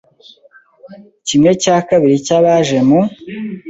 kimwe cya kabiri cy abaje mu